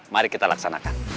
mari kita laksanakan